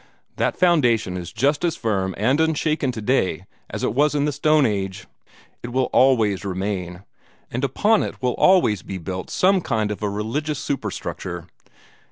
That foundation is just as firm and unshaken today as it was in the Stone Age. It will always remain, and upon it will always be built some kind of a religious superstructure.